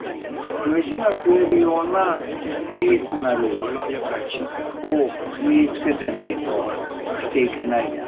飯が食えるような技術なりを身につけてないと生きていけないじゃん。